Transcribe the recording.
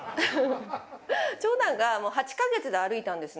長男がもう８か月で歩いたんですね。